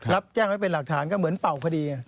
รับแจ้งไว้เป็นหลักฐานก็เหมือนเป่าคดี